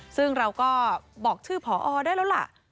ซึ่งเราก็บอกชื่อผอได้แล้วล่ะ